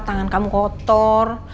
tangan kamu kotor